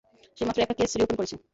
সে মাত্র একটা case reopen করেছে।